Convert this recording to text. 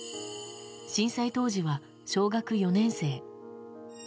震災当時は小学４年生。